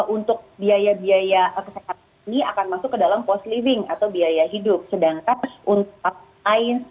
untuk biaya biaya kesehatan ini akan masuk ke dalam post living atau biaya hidup